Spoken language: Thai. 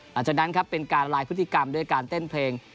หลังจากนั้นครับเป็นการละลายพฤติกรรมด้วยการเต้นเพลง